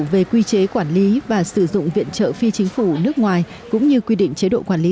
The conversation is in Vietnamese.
về quy chế quản lý và sử dụng viện trợ phi chính phủ nước ngoài cũng như quy định chế độ quản lý